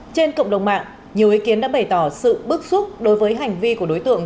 trên cộng đồng mạng nhiều ý kiến đã bày tỏ sự bức xúc đối với hành vi của đối tượng